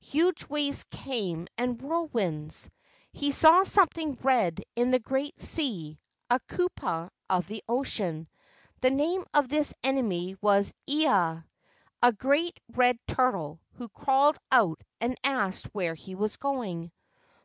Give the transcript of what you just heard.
Huge waves came, and whirlwinds. He saw something red in the great sea—a kupua of the ocean. The name of this enemy was Ea, a great red turtle, who crawled out and asked where he was going.